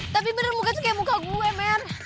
tapi bener muka tuh kayak muka gue mer